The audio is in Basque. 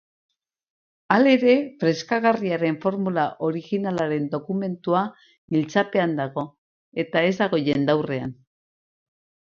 Halere, freskagarriaren formula originalaren dokumentua giltzapean dago, eta ez dago jendaurrean.